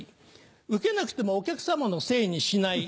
ウケなくてもお客様のせいにしない。